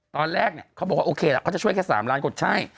ตอนแรกเนี่ยเขาบอกว่าโอเคล่ะเขาจะช่วยแค่๓ล้านคนใช่